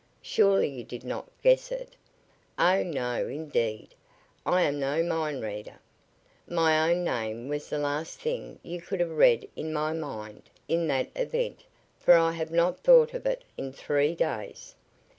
"Surely you did not guess it." "Oh, no, indeed. I am no mind reader." "My own name was the last thing you could have read in my mind, in that event, for I have not thought of it in three days."